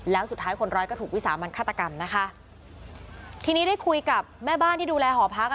แล้วสุดท้ายคนร้ายก็ถูกวิสามันฆาตกรรมนะคะทีนี้ได้คุยกับแม่บ้านที่ดูแลหอพักอ่ะ